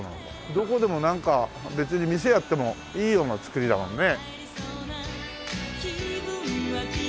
どこでもなんか別に店やってもいいような造りだもんね。